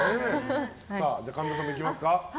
じゃあ神田さんも行きますか。